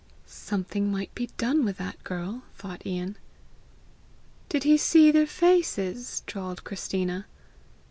"Something might be done with that girl!" thought Ian. "Did he see their faces?" drawled Christina.